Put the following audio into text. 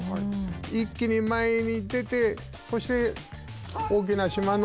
一気に前に出てそして、大きな志摩ノ